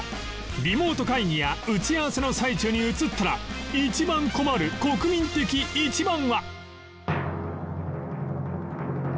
リモート会議や打ち合わせの最中に映ったら１番困る国民的１番は？